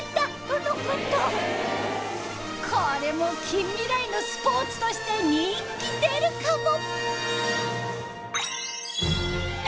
これも近未来のスポーツとして人気出るかも！